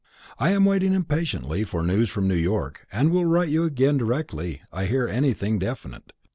I am waiting impatiently for news from New York, and will write to you again directly I hear anything definite.